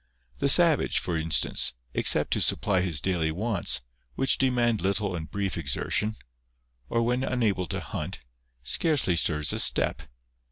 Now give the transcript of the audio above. The savage, for instance, except to supply his daily wants, which demand little and brief exertion, or when unable to hunt, scarcely stirs a step.